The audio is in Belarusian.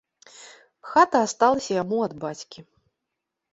Хата асталася яму ад бацькі.